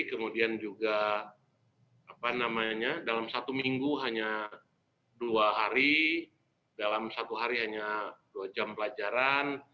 kemudian juga dalam satu minggu hanya dua hari dalam satu hari hanya dua jam pelajaran